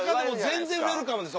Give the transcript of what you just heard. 全然ウエルカムです